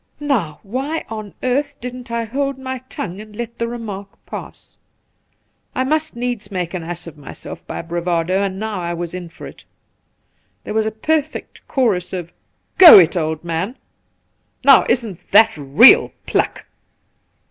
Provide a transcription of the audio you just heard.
Now, why on earth didn't I hold my tongue and let the remark pass ? I must needs make an ass of myself by bravado, and now I was in for it. There The Pool 177 was a perfect chorus of, ' Go it, old man !'' Now, isn't that real pluck